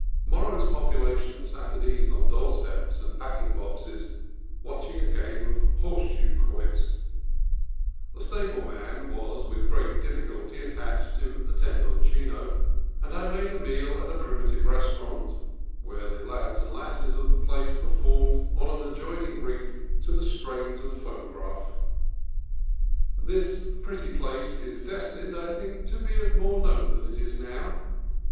Morro's population sat at ease on doorsteps and packing boxes, watching a game of horseshoe quoits. The stable man was with difficulty detached to at tend on Chino, and I made a meal at a primitive restaurant while the lads and lasses of the place performed on an adjoining rink to the strains of a phonograph. This pretty place is destined, I think, to be of more note than it is now.